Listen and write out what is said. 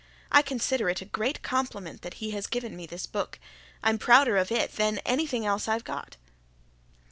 I consider it a great compliment that he has given me this book. I'm prouder of it than of anything else I've got."